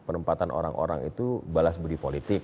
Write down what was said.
penempatan orang orang itu balas budi politik